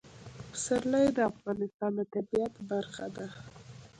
پسرلی د افغانستان د طبیعت برخه ده.